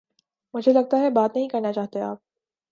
مجھے لگتا ہے بات نہیں کرنا چاہتے آپ